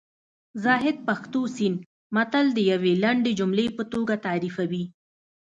زاهد پښتو سیند متل د یوې لنډې جملې په توګه تعریفوي